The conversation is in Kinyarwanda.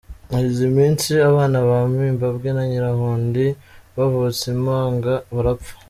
Hashize iminsi, abana ba Mibambwe na Nyirahondi bavutse impanga barapfa.